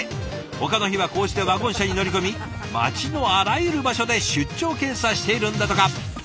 ほかの日はこうしてワゴン車に乗り込み街のあらゆる場所で出張検査しているんだとか。